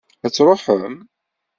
Ad truḥem?